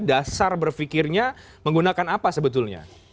dasar berfikirnya menggunakan apa sebetulnya